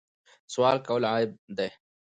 سوال کول عیب دی.